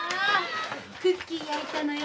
クッキー焼いたのよ。